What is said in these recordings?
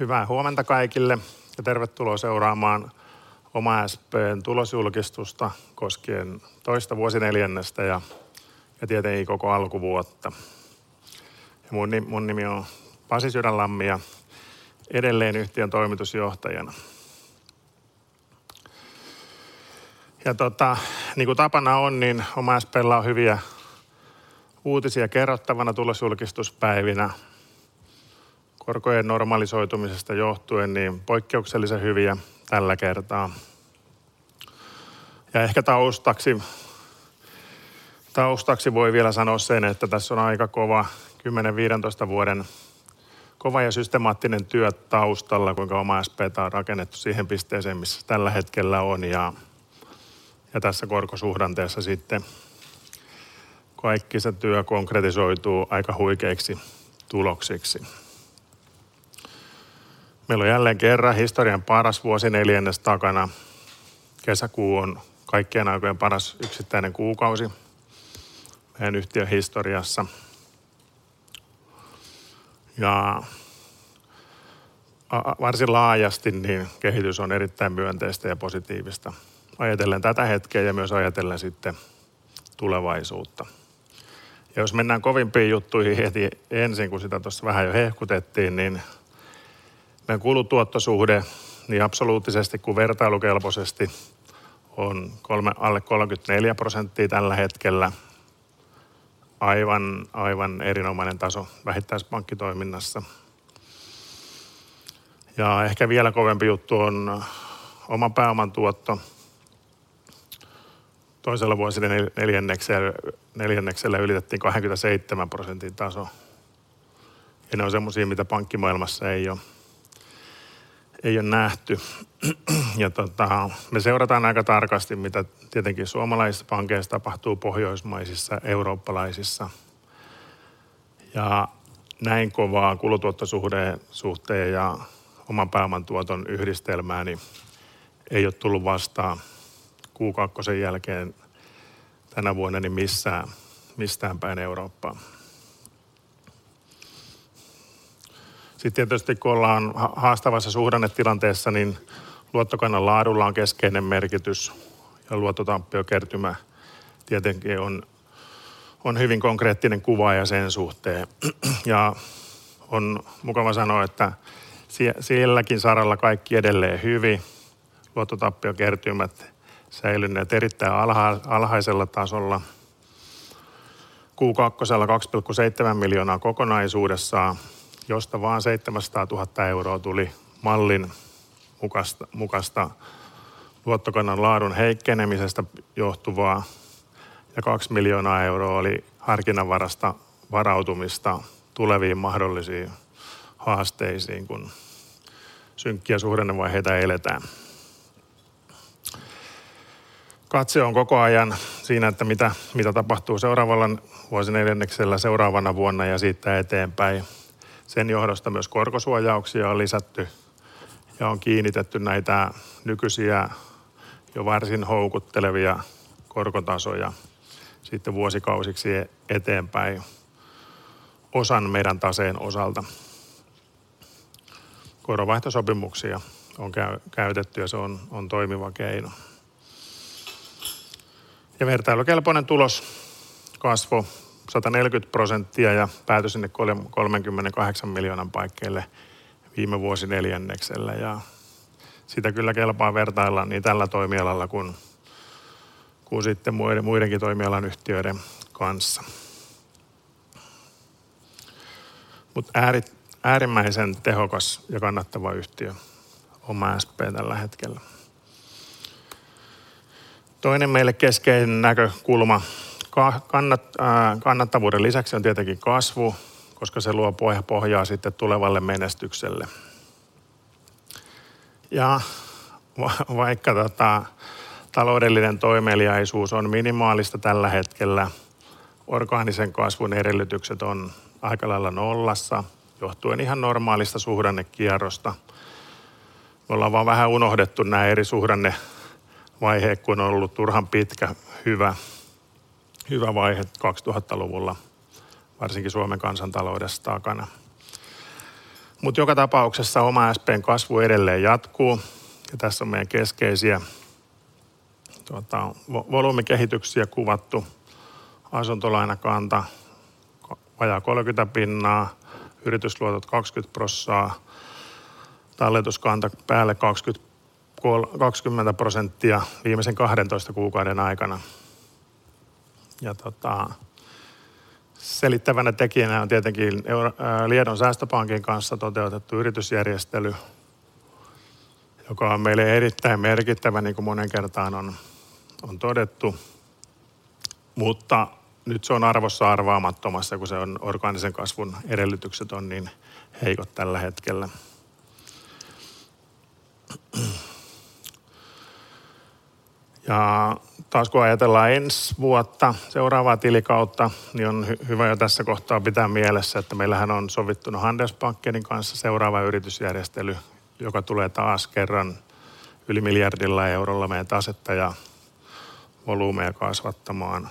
Hyvää huomenta kaikille, tervetuloa seuraamaan OmaSp:n tulosjulkistusta koskien Q2:sta ja tietenkin koko alkuvuotta. Mun nimi on Pasi Sydänlammi ja edelleen yhtiön toimitusjohtajana. Niin ku tapana on, niin OmaSp:llä on hyviä uutisia kerrottavana tulosjulkistuspäivinä korkojen normalisoitumisesta johtuen, niin poikkeuksellisen hyviä tällä kertaa. Ehkä taustaksi voi vielä sanoa sen, että tässä on aika kova 10, 15 vuoden kova ja systemaattinen työ taustalla, kuinka OmaSp:tä on rakennettu siihen pisteeseen, missä se tällä hetkellä on. Tässä korkosuhdanteessa sitten kaikki se työ konkretisoituu aika huikeiksi tuloksiksi. Meillä on jälleen kerran historian paras Q2 takana. Kesäkuu on kaikkien aikojen paras yksittäinen kuukausi meidän yhtiön historiassa. Varsin laajasti, niin kehitys on erittäin myönteistä ja positiivista ajatellen tätä hetkeä ja myös ajatellen sitten tulevaisuutta. Jos mennään kovimpiin juttuihin heti ensin, kun sitä tuossa vähän jo hehkutettiin, niin meidän kulutuottosuhde niin absoluuttisesti kuin vertailukelpoisesti on alle 34% tällä hetkellä. Aivan, aivan erinomainen taso vähittäispankkitoiminnassa. Ehkä vielä kovempi juttu on oman pääoman tuotto. Toisella neljänneksellä ylitettiin 27% taso, ja ne on semmoisia, mitä pankkimaailmassa ei oo nähty. Me seurataan aika tarkasti, mitä tietenkin suomalaisissa pankeissa tapahtuu, pohjoismaisissa, eurooppalaisissa. Näin kovaa kulutuottosuhteen ja oman pääoman tuoton yhdistelmää niin ei oo tullu vastaan Q2:sen jälkeen tänä vuonna niin missään, mistään päin Eurooppaa. Tietysti, kun ollaan haastavassa suhdannetilanteessa, niin luottokannan laadulla on keskeinen merkitys ja luottotappiokertymä tietenkin on hyvin konkreettinen kuvaaja sen suhteen. On mukava sanoa, että silläkin saralla kaikki edelleen hyvin. Luottotappiokertymät säilyneet erittäin alhaisella tasolla. Q2:lla EUR 2.7 million kokonaisuudessaan, josta vaan EUR 700,000 tuli mallin mukaista luottokannan laadun heikkenemisestä johtuvaa ja EUR 2 million oli harkinnanvaraista varautumista tuleviin mahdollisiin haasteisiin, kun synkkiä suhdannevaiheita eletään. Katse on koko ajan siinä, että mitä, mitä tapahtuu seuraavalla vuosineljänneksellä, seuraavana vuonna ja siitä eteenpäin. Sen johdosta myös korkosuojauksia on lisätty ja on kiinnitetty näitä nykyisiä jo varsin houkuttelevia korkotasoja sitten vuosikausiksi eteenpäin. Osan meidän taseen osalta koronvaihtosopimuksia on käytetty ja se on toimiva keino. Vertailukelpoinen tulos kasvo 140% ja päätyi sinne EUR 38 million paikkeille viime vuosineljänneksellä, ja sitä kyllä kelpaa vertailla niin tällä toimialalla kun sitten muidenkin toimialan yhtiöiden kanssa. Äärimmäisen tehokas ja kannattava yhtiö OmaSp tällä hetkellä. Toinen meille keskeinen näkökulma kannattavuuden lisäksi on tietenkin kasvu, koska se luo pohjaa sitten tulevalle menestykselle. Vaikka taloudellinen toimeliaisuus on minimaalista tällä hetkellä, orgaanisen kasvun edellytykset on aika lailla nollassa, johtuen ihan normaalista suhdannekierrosta. Me ollaan vaan vähän unohdettu nää eri suhdannevaiheet, kun on ollut turhan pitkä, hyvä, hyvä vaihe 2000-luvulla varsinkin Suomen kansantaloudessa takana. Joka tapauksessa OmaSp:n kasvu edelleen jatkuu, ja tässä on meidän keskeisiä volyymikehityksiä kuvattu. Asuntolainakanta vajaa 30%, yritysluotot 20%, talletuskanta päälle 20% viimeisen 12 kuukauden aikana. Selittävänä tekijänä on tietenkin Liedon Säästöpankin kanssa toteutettu yritysjärjestely, joka on meille erittäin merkittävä, niin kuin moneen kertaan on, on todettu, mutta nyt se on arvossa arvaamattomassa, kun se on orgaanisen kasvun edellytykset on niin heikot tällä hetkellä. Taas kun ajatellaan ensi vuotta, seuraavaa tilikautta, niin on hyvä jo tässä kohtaa pitää mielessä, että meillähän on sovittuna Handelsbankenin kanssa seuraava yritysjärjestely, joka tulee taas kerran yli EUR 1 billion meidän tasetta ja volyymejä kasvattamaan.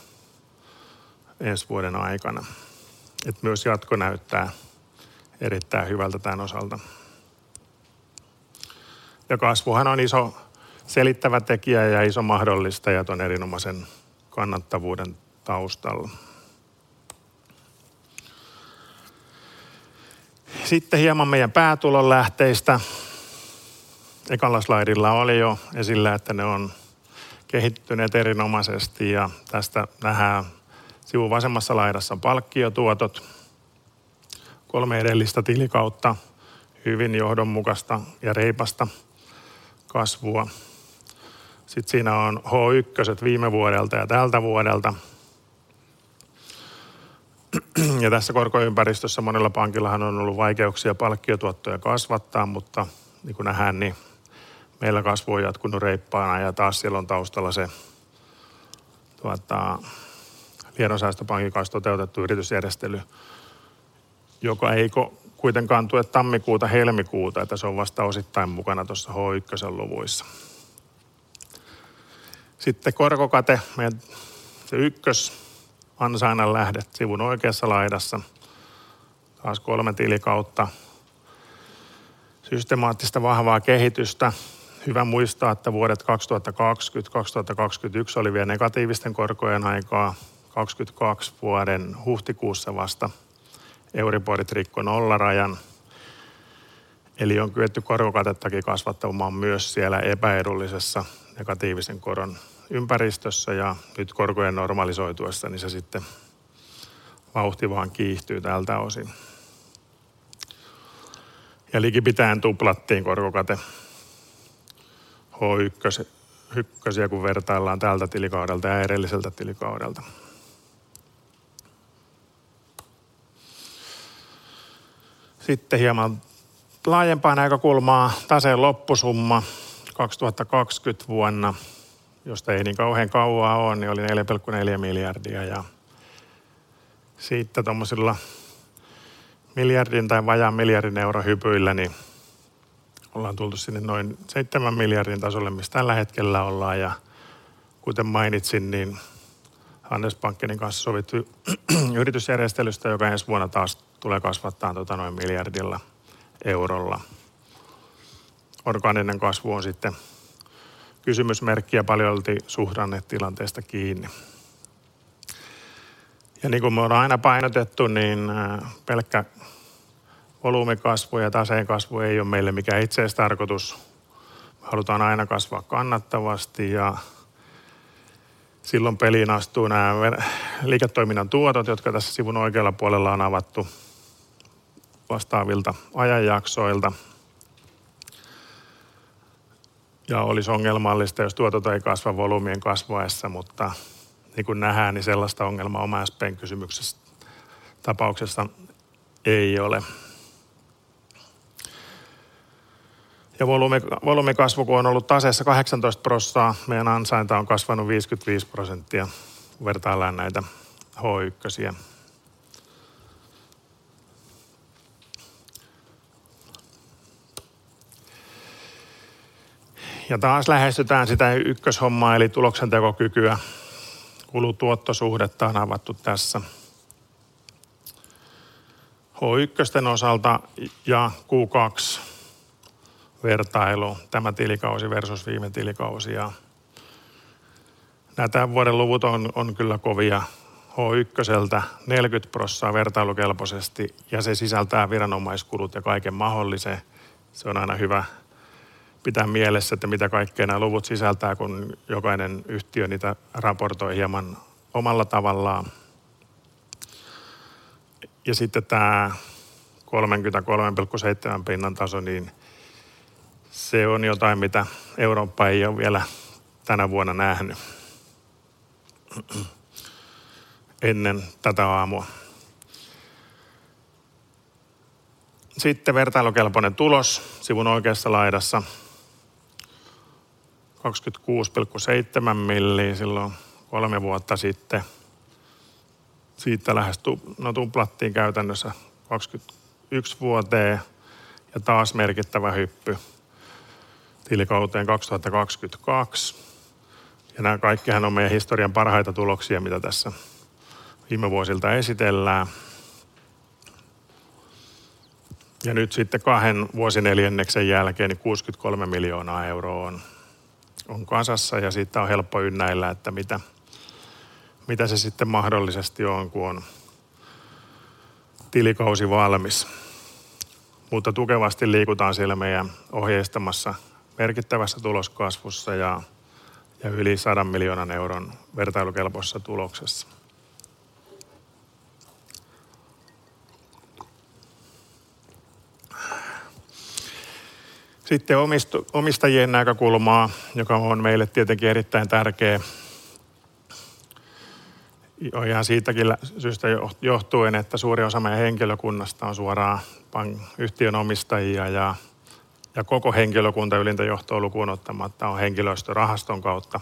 ensi vuoden aikana. Myös jatko näyttää erittäin hyvältä tän osalta. Kasvuhan on iso selittävä tekijä ja iso mahdollistaja ton erinomaisen kannattavuuden taustalla. Sitten hieman meidän päätulonlähteistä. Ekalla slaidilla oli jo esillä, että ne on kehittyneet erinomaisesti, ja tästä nähdään sivun vasemmassa laidassa palkkiotuotot. Kolme edellistä tilikautta, hyvin johdonmukaista ja reipasta kasvua. Sitten siinä on H1:set viime vuodelta ja tältä vuodelta. Tässä korkoympäristössä monella pankillahan on ollut vaikeuksia palkkiotuottoja kasvattaa, mutta niin kuin nähdään, niin meillä kasvu on jatkunut reippaana ja taas siellä on taustalla se, Liedon Säästöpankin kanssa toteutettu yritysjärjestely, joka ei kuitenkaan tue tammikuuta, helmikuuta, että se on vasta osittain mukana tossa H1:sen luvuissa. Sitten korkokate. Meidän se ykkösansainnan lähde sivun oikeassa laidassa. Taas kolme tilikautta systemaattista, vahvaa kehitystä. Hyvä muistaa, että vuodet 2020, 2021 oli vielä negatiivisten korkojen aikaa. 2022 vuoden huhtikuussa vasta Euriborit rikkoi nollarajan. On kyetty korkokatettakin kasvattamaan myös siellä epäedullisessa negatiivisen koron ympäristössä, ja nyt korkojen normalisoituessa, niin se sitten vauhti vaan kiihtyy tältä osin. Likipitään tuplattiin korkokate H1, H1:siä kun vertaillaan tältä tilikaudelta ja edelliseltä tilikaudelta. Hieman laajempaa näkökulmaa. Taseen loppusumma 2020 vuonna, josta ei niin kauhean kauaa oo, niin oli EUR 4.4 miljardia, ja siitä tommosilla EUR 1 miljardin tai vajaan EUR 1 miljardin euron hypyillä, niin ollaan tultu sinne noin EUR 7 miljardin tasolle, missä tällä hetkellä ollaan. Kuten mainitsin, niin Handelsbankenin kanssa sovittu yritysjärjestelystä, joka ens vuonna taas tulee kasvattaan tota noin EUR 1 miljardilla. Orgaaninen kasvu on sitten kysymysmerkki ja paljolti suhdannetilanteesta kiinni. Niin ku me on aina painotettu, niin pelkkä volyymikasvu ja taseen kasvu ei oo meille mikään itsetarkotus. Me halutaan aina kasvaa kannattavasti, ja silloin peliin astuu nää me- liiketoiminnan tuotot, jotka tässä sivun oikealla puolella on avattu vastaavilta ajanjaksoilta. Olis ongelmallista, jos tuotot ei kasva volyymien kasvaessa, mutta niin ku nähään, niin sellasta ongelmaa Oma Sp:n tapauksessa ei ole. Volyymikasvu ku on ollut taseessa 18%, meidän ansainta on kasvanu 55%. Vertaillaan näitä H1:siä. Taas lähestytään sitä 1-hommaa eli tuloksentekokykyä. Kulu-tuottosuhdetta on avattu tässä. H1:sten osalta ja Q2-vertailu. Tämä tilikausi versus viime tilikausi, nää tän vuoden luvut on kyllä kovia. H1:ltä 40% vertailukelposesti, se sisältää viranomaiskulut ja kaiken mahdollisen. Se on aina hyvä pitää mielessä, että mitä kaikkea nää luvut sisältää, kun jokainen yhtiö niitä raportoi hieman omalla tavallaan. Sitte tää 33.7% taso, niin se on jotain, mitä Eurooppa ei oo vielä tänä vuonna nähny ennen tätä aamua. Sitte vertailukelpoinen tulos sivun oikeassa laidassa. EUR 26.7 miljoo silloin 3 vuotta sitte. Siitä lähes tuplattiin käytännössä 2021 vuoteen ja taas merkittävä hyppy tilikauteen 2022. Nää kaikkihan on meidän historian parhaita tuloksia, mitä tässä viime vuosilta esitellään. Nyt sitten kahden vuosineljänneksen jälkeen EUR 63 miljoonaa on kasassa, ja siitä on helppo ynnäillä, että mitä, mitä se sitten mahdollisesti on, kun on tilikausi valmis. Tukevasti liikutaan siellä meidän ohjeistamassa merkittävässä tuloskasvussa ja yli EUR 100 miljoonan vertailukelpoisessa tuloksessa. Sitten omistajien näkökulmaa, joka on meille tietenkin erittäin tärkeä. Jo ihan siitäkin syystä johtuen, että suuri osa meidän henkilökunnasta on suoraan yhtiön omistajia ja koko henkilökunta ylintä johtoa lukuun ottamatta on henkilöstörahaston kautta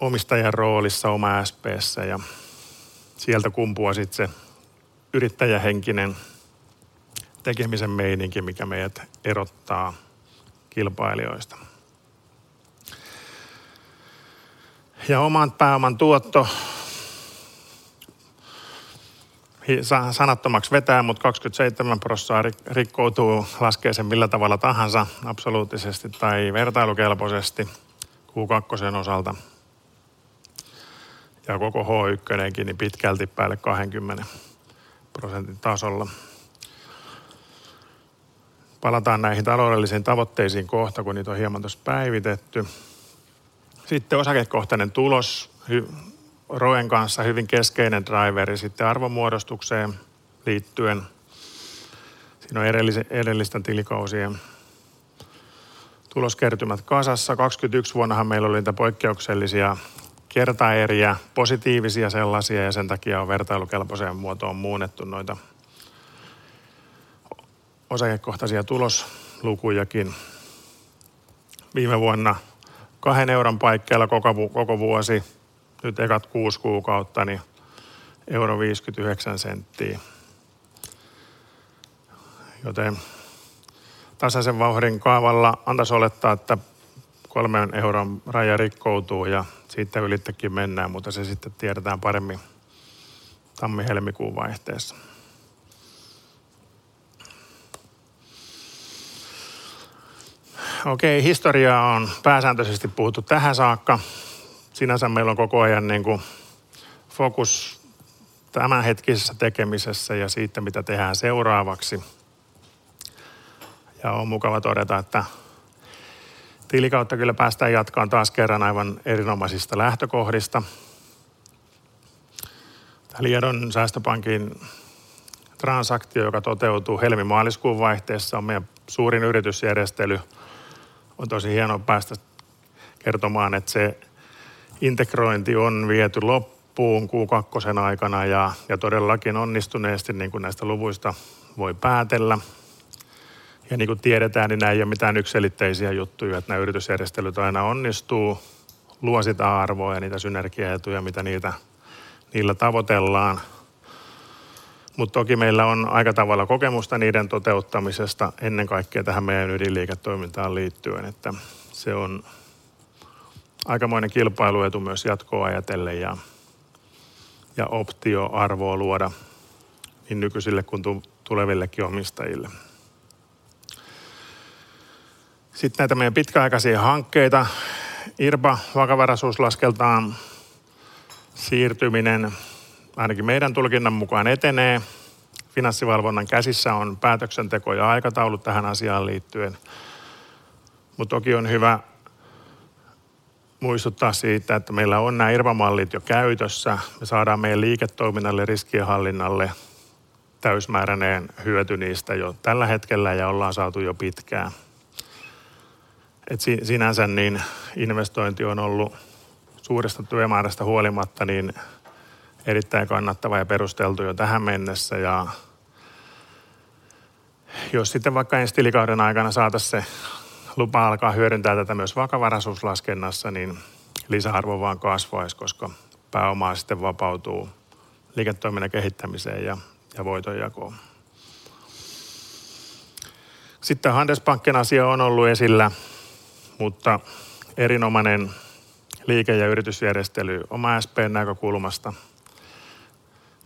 omistajan roolissa OmaSp:ssä, ja sieltä kumpuaa sitten se yrittäjähenkinen tekemisen meininki, mikä meidät erottaa kilpailijoista. Oman pääoman tuotto. Sanattomaksi vetää, mutta 27% rikkoutuu, laskee sen millä tavalla tahansa, absoluuttisesti tai vertailukelpoisesti. Q2:n osalta. Koko H1:kin pitkälti päälle 20%:n tasolla. Palataan näihin taloudellisiin tavoitteisiin kohta, kun niitä on hieman tuossa päivitetty. Osakekohtainen tulos. ROEn kanssa hyvin keskeinen draiveri sitten arvonmuodostukseen liittyen. Siinä on edellisten tilikausien tuloskertymät kasassa. 2021 vuonnaahan meillä oli niitä poikkeuksellisia kertaeriä, positiivisia sellaisia, sen takia on vertailukelpoiseen muotoon muunnettu noita osakekohtaisia tuloslukujakin. Viime vuonna EUR 2 paikkeilla koko vuosi. Nyt ekat kuusi kuukautta, niin EUR 1.59. Tasaisen vauhdin kaavalla antais olettaa, että EUR 3 raja rikkoutuu ja siitä ylikin mennään, mutta se sitten tiedetään paremmin tammi-helmikuun vaihteessa. Historiaa on pääsääntösesti puhuttu tähän saakka. Sinänsä meillä on koko ajan niinku fokus tämänhetkisessä tekemisessä ja siittä, mitä tehään seuraavaksi. On mukava todeta, että tilikautta kyllä päästään jatkaan taas kerran aivan erinomaisista lähtökohdista. Tää Liedon Säästöpankin transaktio, joka toteutuu helmi-maaliskuun vaihteessa, on meidän suurin yritysjärjestely. On tosi hienoo päästä kertomaan, et se integrointi on viety loppuun Q2 aikana ja todellakin onnistuneesti, niin kuin näistä luvuista voi päätellä. Niin ku tiedetään, niin nää ei oo mitään yksiselitteisiä juttuja, että nää yritysjärjestelyt aina onnistuu, luo sitä arvoo ja niitä synergiaetuja, mitä niitä niillä tavoitellaan. Toki meillä on aika tavalla kokemusta niiden toteuttamisesta. Ennen kaikkea tähän meidän ydinliiketoimintaan liittyen, että se on aikamoinen kilpailuetu myös jatkoa ajatellen ja optioarvoo luoda niin nykyisille kuin tulevillekin omistajille. Näitä meidän pitkäaikaisia hankkeita. IRBA-vakavaraisuuslaskeltaan siirtyminen ainakin meidän tulkinnan mukaan etenee. Finanssivalvonnan käsissä on päätöksenteko ja aikataulut tähän asiaan liittyen. Toki on hyvä muistuttaa siitä, että meillä on nää IRBA-mallit jo käytössä. Me saadaan meidän liiketoiminnalle ja riskienhallinnalle täysimääräinen hyöty niistä jo tällä hetkellä ja ollaan saatu jo pitkään. Sinänsä niin investointi on ollut suuresta työmäärästä huolimatta niin erittäin kannattava ja perusteltu jo tähän mennessä. Sitten vaikka ens tilikauden aikana saatas se lupa alkaa hyödyntää tätä myös vakavaraisuuslaskennassa, niin lisäarvo vaan kasvais, koska pääomaa sitten vapautuu liiketoiminnan kehittämiseen ja voitonjakoon. Tämä Handelsbanken-asia on ollu esillä, mutta erinomainen liike- ja yritysjärjestely OmaSp:n näkökulmasta.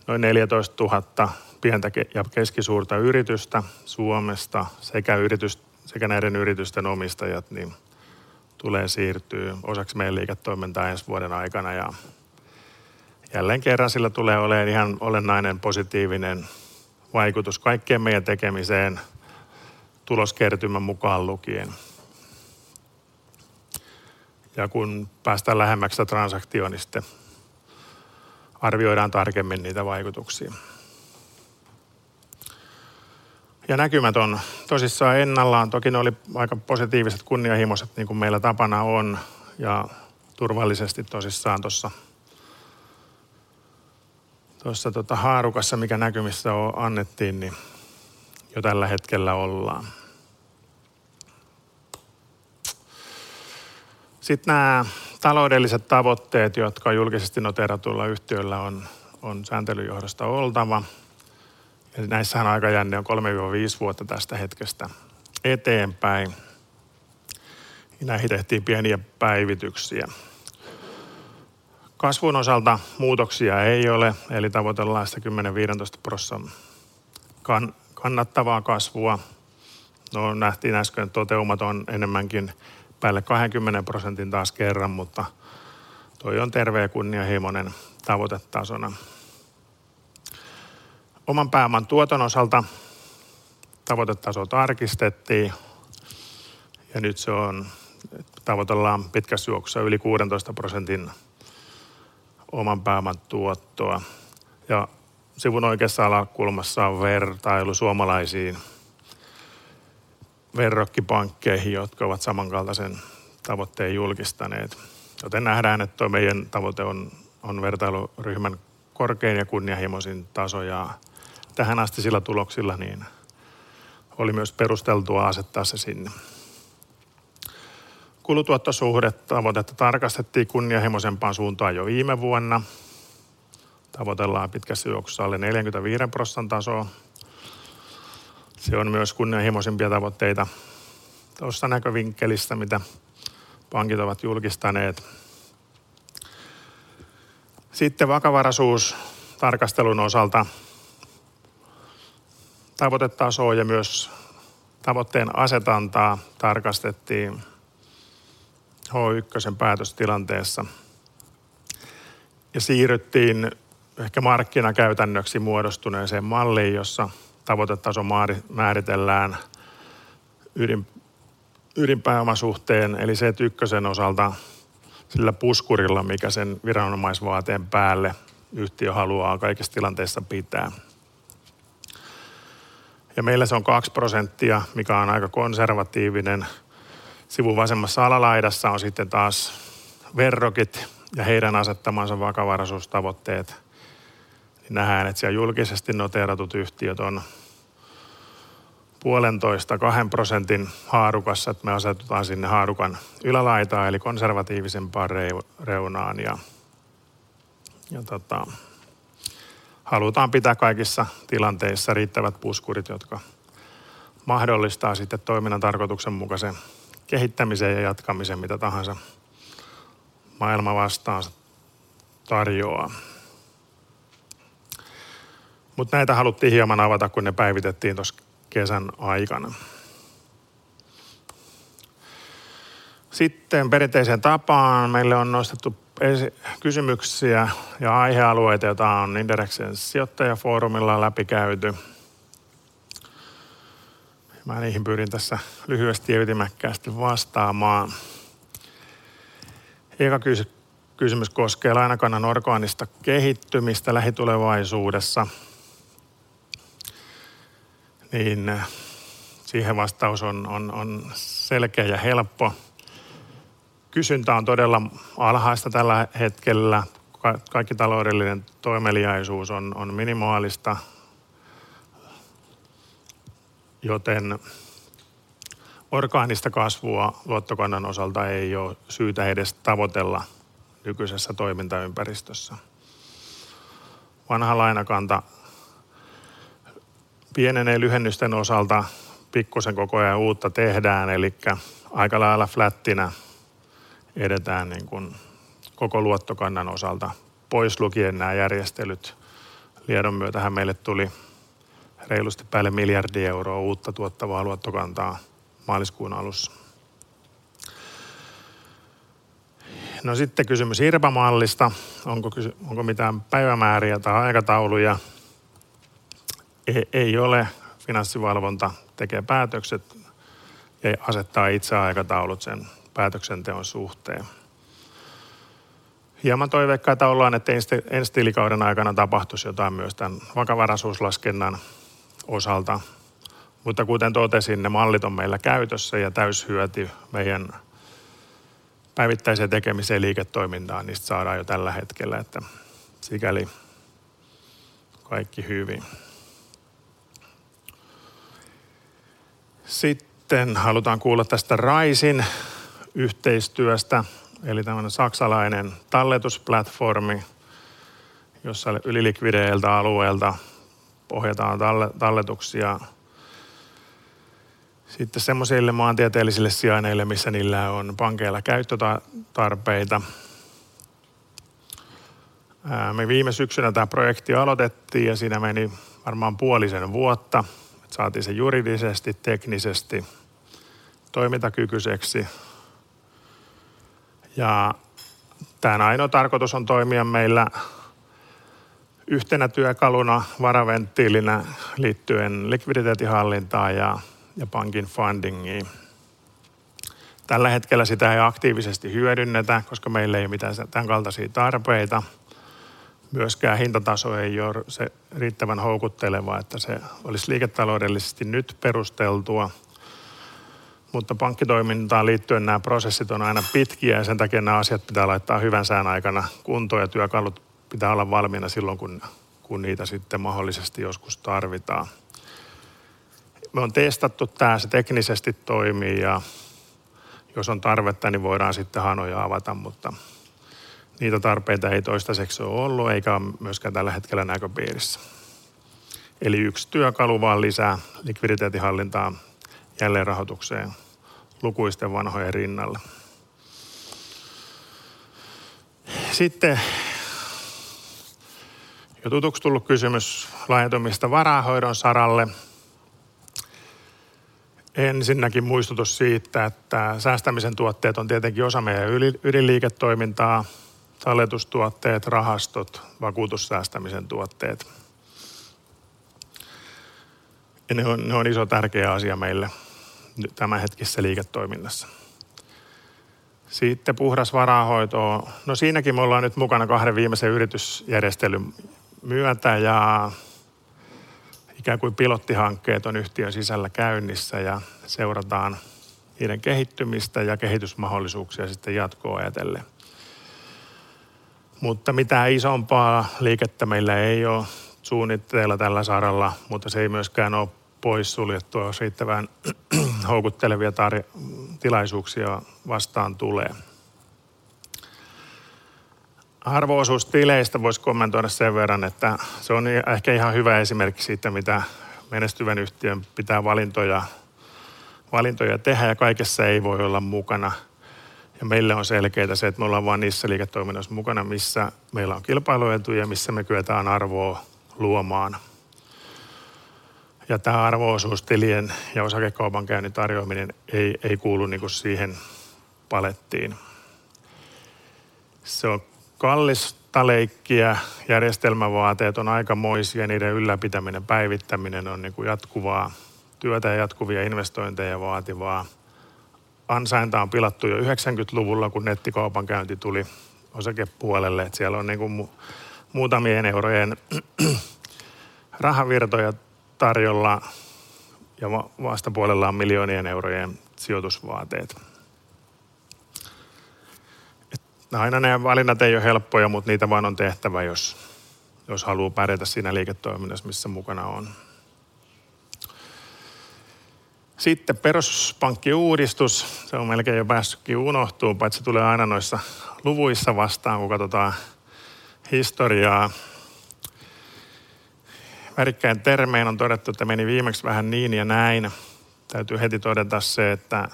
Noin 14,000 pientä ja keskisuurta yritystä Suomesta sekä näiden yritysten omistajat, niin tulee siirtyy osaksi meijän liiketoimintaa ensi vuoden aikana, jälleen kerran sillä tulee oleen ihan olennainen, positiivinen vaikutus kaikkeen meijän tekemiseen, tuloskertymän mukaan lukien. Kun päästään lähemmäksi sitä transaktioo, niin sitten arvioidaan tarkemmin niitä vaikutuksii. Näkymät on tosissaan ennallaan. Toki ne oli aika positiiviset, kunnianhimoiset, niin ku meillä tapana on, ja turvallisesti tosissaan tossa haarukassa, mikä näkymissä on, annettiin, ni jo tällä hetkellä ollaan. Nää taloudelliset tavoitteet, jotka julkisesti noteeratulla yhtiöllä on, on sääntelyn johdosta oltava. Näissähän aikajänne on 3-5 vuotta tästä hetkestä eteenpäin. Näihin tehtiin pieniä päivityksiä. Kasvun osalta muutoksia ei ole, eli tavoitellaan sitä 10-15% kannattavaa kasvua. No, nähtiin äsken, että toteuma on enemmänkin päälle 20% taas kerran, mutta tuo on terve ja kunnianhimoinen tavoitetasona. Oman pääoman tuoton osalta tavoitetasoa tarkistettiin, ja nyt se on, tavoitellaan pitkässä juoksussa yli 16% oman pääoman tuottoa. Sivun oikeassa alakulmassa on vertailu suomalaisiin verrokkipankkeihin, jotka ovat samankaltaisen tavoitteen julkistaneet, joten nähdään, että tuo meidän tavoite on, on vertailuryhmän korkein ja kunnianhimoisin taso, ja tähänastisilla tuloksilla niin oli myös perusteltua asettaa se sinne. Kulu-tuottosuhdetavoitetta tarkastettiin kunnianhimoisempaan suuntaan jo viime vuonna. Tavoitellaan pitkässä juoksussa alle 45% tasoa. Se on myös kunnianhimoisimpia tavoitteita tuosta näkövinkkelistä, mitä pankit ovat julkistaneet. Vakavaraisuustarkastelun osalta. tavoitetasoa ja myös tavoitteen asetantaa tarkastettiin H1:sen päätöstilanteessa, ja siirryttiin ehkä markkinakäytännöksi muodostuneeseen malliin, jossa tavoitetaso määritellään ydinpääomasuhteen eli CET1:n osalta sillä puskurilla, mikä sen viranomaisvaateen päälle yhtiö haluaa kaikissa tilanteissa pitää. Meillä se on 2%, mikä on aika konservatiivinen. Sivun vasemmassa alalaidassa on taas verrokit ja heidän asettamansa vakavaraisuustavoitteet. Niin nähdään, että siellä julkisesti noteeratut yhtiöt on 1.5%-2% haarukassa, et me asetutaan sinne haarukan ylälaitaan eli konservatiivisempaan reunaan ja tota, halutaan pitää kaikissa tilanteissa riittävät puskurit, jotka mahdollistaa sitten toiminnan tarkoituksenmukaisen kehittämisen ja jatkamisen, mitä tahansa maailma vastaan tarjoaa. Näitä haluttiin hieman avata, kun ne päivitettiin tuossa kesän aikana. Perinteiseen tapaan meille on nostettu esi kysymyksiä ja aihealueita, joita on Inderesin sijoittajafoorumilla läpikäyty. Mä niihin pyrin tässä lyhyesti ja ytimekkäästi vastaamaan. Eka kysymys koskee lainakannan orgaanista kehittymistä lähitulevaisuudessa, niin siihen vastaus on selkeä ja helppo. Kysyntä on todella alhaista tällä hetkellä. Kaikki taloudellinen toimeliaisuus on minimaalista, joten orgaanista kasvua luottokannan osalta ei oo syytä edes tavoitella nykyisessä toimintaympäristössä. Vanha lainakanta pienenee lyhennysten osalta, pikkusen koko ajan uutta tehdään, elikkä aikalailla flättinä edetään niin kuin koko luottokannan osalta. Pois lukien nää järjestelyt. Liedon myötähän meille tuli reilusti päälle EUR 1 billion uutta tuottavaa luottokantaa maaliskuun alussa. Kysymys IRBA-mallista. Onko kyse, onko mitään päivämääriä tai aikatauluja? Ei ole. Finanssivalvonta tekee päätökset ja asettaa itse aikataulut sen päätöksenteon suhteen. Hieman toiveikkaita ollaan, että ensi tilikauden aikana tapahtus jotain myös tän vakavaraisuuslaskennan osalta. Kuten totesin, ne mallit on meillä käytössä ja täysi hyöty meidän päivittäiseen tekemiseen ja liiketoimintaan niistä saadaan jo tällä hetkellä, että sikäli kaikki hyvin. Halutaan kuulla tästä Raisin yhteistyöstä. Tämmönen saksalainen talletusplatformi, jossa ylilikvideiltä alueelta ohjataan talletuksia sitten semmosille maantieteellisille sijainneille, missä niillä on pankeilla tarpeita. Me viime syksynä tää projekti aloitettiin, ja siinä meni varmaan puolisen vuotta, että saatiin se juridisesti, teknisesti toimintakykyiseksi. Tän ainoo tarkoitus on toimia meillä yhtenä työkaluna, varaventtiilinä liittyen likviditeetinhallintaan ja, ja pankin fundingiin. Tällä hetkellä sitä ei aktiivisesti hyödynnetä, koska meillä ei oo mitään tän kaltaisii tarpeita. Myöskään hintataso ei oo se riittävän houkutteleva, että se olisi liiketaloudellisesti nyt perusteltua. Pankkitoimintaan liittyen nää prosessit on aina pitkiä, ja sen takia nää asiat pitää laittaa hyvän sään aikana kuntoon ja työkalut pitää olla valmiina silloin, kun, kun niitä sitten mahdollisesti joskus tarvitaan. Me on testattu tää, se teknisesti toimii, ja jos on tarvetta, niin voidaan sitten hanoja avata, mutta niitä tarpeita ei toistaiseksi oo ollu eikä oo myöskään tällä hetkellä näköpiirissä. Eli yksi työkalu vaan lisää likviditeetinhallintaan, jälleenrahoitukseen lukuisten vanhojen rinnalle. Jo tutuks tullut kysymys laajentumista varainhoidon saralle. Ensinnäkin muistutus siitä, että säästämisen tuotteet on tietenkin osa meidän ylin- ydinliiketoimintaa. Talletustuotteet, rahastot, vakuutussäästämisen tuotteet. Ne on iso, tärkeä asia meille tämänhetkisessä liiketoiminnassa. Puhdas varainhoitoon. Siinäkin me ollaan nyt mukana kahden viimeisen yritysjärjestelyn myötä, ikään kuin pilottihankkeet on yhtiön sisällä käynnissä ja seurataan niiden kehittymistä ja kehitysmahdollisuuksia sitten jatkoa ajatellen. Mitään isompaa liikettä meillä ei oo suunnitteilla tällä saralla, mutta se ei myöskään oo poissuljettua, jos riittävän houkuttelevia tilaisuuksia vastaan tulee. Arvo-osuustileistä vois kommentoida sen verran, että se on ehkä ihan hyvä esimerkki siitä, mitä menestyvän yhtiön pitää valintoja tehdä ja kaikessa ei voi olla mukana. Meille on selkeetä se, et me ollaan vaan niissä liiketoiminnoissa mukana, missä meillä on kilpailuetuja ja missä me kyetään arvoo luomaan. Tää arvo-osuustilien ja osakekaupankäynnin tarjoaminen ei, ei kuulu niinku siihen palettiin. Se on kallista leikkiä. Järjestelmävaateet on aikamoisia ja niiden ylläpitäminen, päivittäminen on niinku jatkuvaa työtä ja jatkuvia investointeja vaativaa. Ansainta on pilattu jo 90-luvulla, kun nettikaupankäynti tuli osakepuolelle, et siellä on niinku muutamien eurojen rahavirtoja tarjolla ja vastapuolella on miljoonien eurojen sijoitusvaateet. Aina nää valinnat ei oo helppoja, mut niitä vaan on tehtävä, jos, jos haluu pärjätä siinä liiketoiminnassa, missä mukana on. Peruspankkiuudistus. Se on melkein jo päässykin unohtuu, paitsi tulee aina noissa luvuissa vastaan, kun katotaan historiaa. Värikkäin termein on todettu, että meni viimeks vähän niin ja näin. Täytyy heti todeta se, että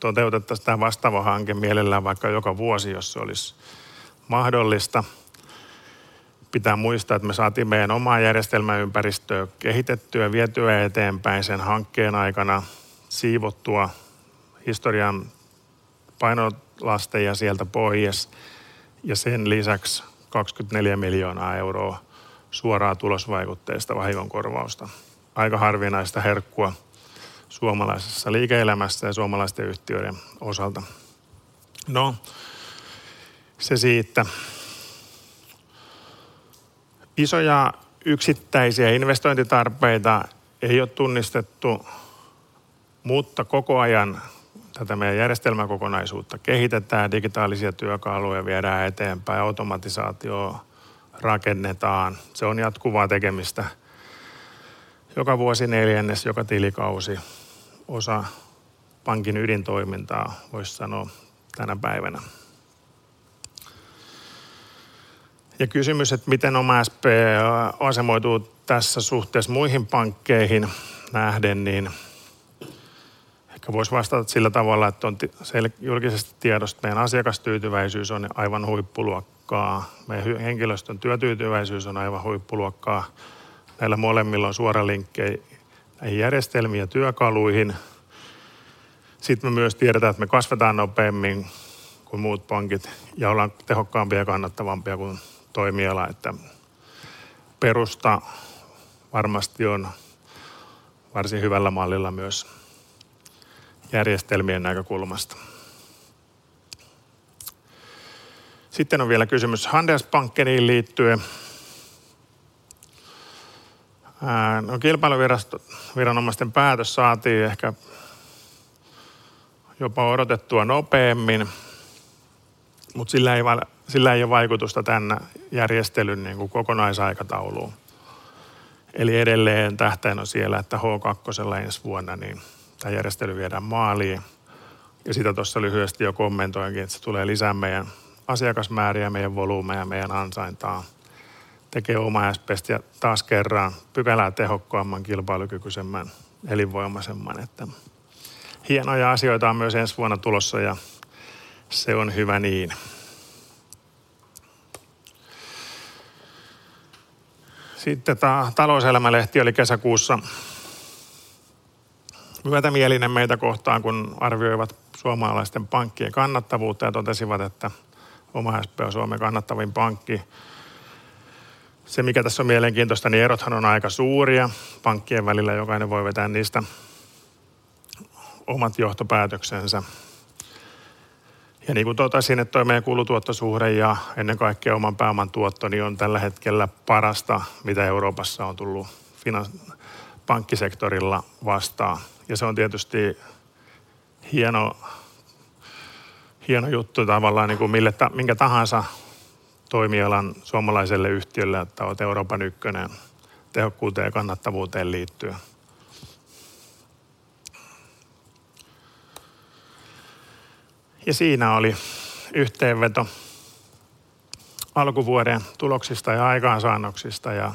toteutettas tää vastaava hanke mielellään vaikka joka vuosi, jos se olis mahdollista. Pitää muistaa, et me saatiin meidän omaa järjestelmäympäristöä kehitettyä ja vietyä eteenpäin sen hankkeen aikana, siivottua historian painolasteja sieltä pois ja sen lisäksi EUR 24 miljoonaa suoraa tulosvaikutteista vahingonkorvausta. Aika harvinaista herkkua suomalaisessa liike-elämässä ja suomalaisten yhtiöiden osalta. No, se siitä. Isoja yksittäisiä investointitarpeita ei oo tunnistettu, mutta koko ajan tätä meidän järjestelmäkokonaisuutta kehitetään, digitaalisia työkaluja viedään eteenpäin, automatisaatiota rakennetaan. Se on jatkuvaa tekemistä joka vuosineljännes, joka tilikausi. Osa pankin ydintoimintaa, vois sanoo tänä päivänä. Kysymys, et miten OmaSp asemoituu tässä suhteessa muihin pankkeihin nähden, niin ehkä vois vastata sillä tavalla, että on julkisesti tiedossa meen asiakastyytyväisyys on aivan huippuluokkaa. Meidän henkilöstön työtyytyväisyys on aivan huippuluokkaa. Näillä molemmilla on suora linkki näihin järjestelmiin ja työkaluihin. Me myös tiedetään, et me kasvetaan nopeammin kuin muut pankit ja ollaan tehokkaampia ja kannattavampia kuin toimiala, että perusta varmasti on varsin hyvällä mallilla myös järjestelmien näkökulmasta. On vielä kysymys Handelsbanken liittyen. No, Kilpailuvirasto, viranomaisten päätös saatiin ehkä jopa odotettua nopeammin, mutta sillä ei ole vaikutusta tämän järjestelyn niin kuin kokonaisaikatauluun. Edelleen tähtäin on siellä, että H2:lla ensi vuonna, niin tämä järjestely viedään maaliin. Sitä tuossa lyhyesti jo kommentoinkin, että se tulee lisää meidän asiakasmääriä, meidän volyymejä, meidän ansaintaa, tekee OmaSp:stä ja taas kerran pykälää tehokkaamman, kilpailukykyisemmän, elinvoimaisemman, että hienoja asioita on myös ensi vuonna tulossa, ja se on hyvä niin. Sitten tämä Talouselämä-lehti oli kesäkuussa myötämielinen meitä kohtaan, kun arvioivat suomalaisten pankkien kannattavuutta ja totesivat, että OmaSp on Suomen kannattavin pankki. Se, mikä tässä on mielenkiintoista, niin erothan on aika suuria pankkien välillä. Jokainen voi vetää niistä omat johtopäätöksensä. Niin kuin totesin, että tuo meidän kulu-tuottosuhde ja ennen kaikkea oman pääoman tuotto, niin on tällä hetkellä parasta, mitä Euroopassa on tullut pankkisektorilla vastaan. Se on tietysti hieno, hieno juttu tavallaan niinku mille tai minkä tahansa toimialan suomalaiselle yhtiölle, että oot Euroopan ykkönen tehokkuuteen ja kannattavuuteen liittyen. Siinä oli yhteenveto alkuvuoden tuloksista ja aikaansaannoksista, ja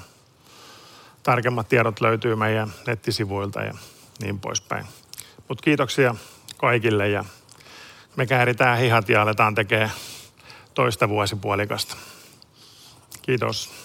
tarkemmat tiedot löytyy meidän nettisivuilta ja niin poispäin. Kiitoksia kaikille, ja me kääritään hihat ja aletaan tekeen toista vuosipuolikasta. Kiitos!